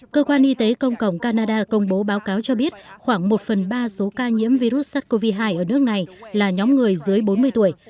cơ quan y tế công cộng canada công bố báo cáo cho biết khoảng một phần ba số ca nhiễm virus sars cov hai ở nước này là nhóm người dưới bốn mươi tuổi